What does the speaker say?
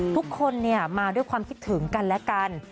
ทุกคนมาด้วยความคิดถึงกันและกัน